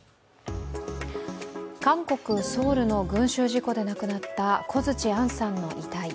韓国・ソウルの群集事故で亡くなった小槌杏さんの遺体。